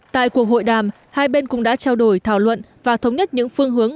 tại cuộc hội đàm hai bên cũng đã trao đổi thảo luận và thống nhất những phương hướng